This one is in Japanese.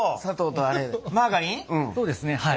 そうですねはい。